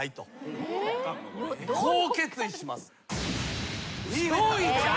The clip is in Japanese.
こう決意します。